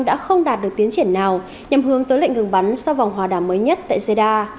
đã không đạt được tiến triển nào nhằm hướng tới lệnh ngừng bắn sau vòng hòa đàm mới nhất tại jeddah